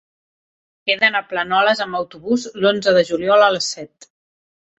He d'anar a Planoles amb autobús l'onze de juliol a les set.